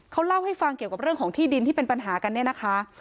เขาเล่าให้ฟังเกี่ยวกับเรื่องของที่ดินที่เป็นปัญหากันเนี่ยนะคะ